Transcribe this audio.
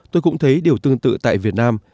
tôi cũng thấy điều tương tự tại việt nam